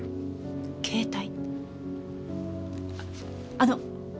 あの。